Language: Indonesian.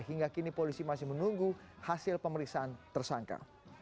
hingga kini polisi masih menunggu hasil pemeriksaan tersangka